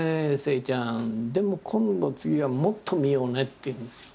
でも今度次はもっと見ようね」って言うんですよ。